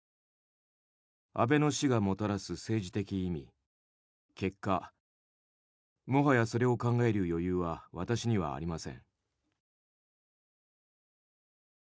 安倍の死がもたらす政治的意味結果、もはやそれを考える余裕は私にはありません。